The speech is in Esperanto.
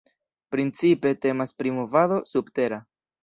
Principe temas pri movado "subtera".